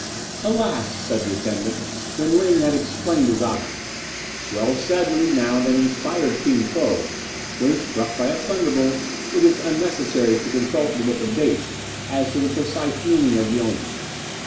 "Alas!" said the attendant, when Ling had explained his object, "well said the renowned and inspired Ting Fo, 'When struck by a thunderbolt it is unnecessary to consult the Book of Dates as to the precise meaning of the omen.